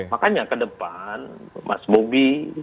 makanya ke depan mas bobi